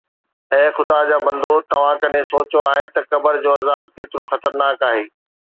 اي خدا جا بندو، توهان ڪڏهن سوچيو آهي ته قبر جو عذاب ڪيترو خطرناڪ آهي؟